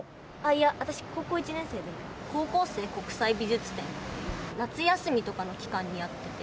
いや私高校１年生で高校生国際美術展っていう夏休みとかの期間にやってて。